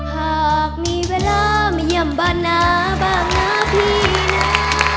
หากมีเวลามาเยี่ยมบ้านนาบ้างนะพี่นะ